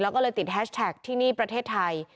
แล้วเราก็ติดห้าชแทคที่นี่ประเทศไทย